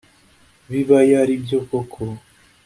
Bibayo aribyo koko